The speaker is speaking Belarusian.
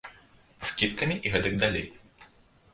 Скідкамі і гэтак далей.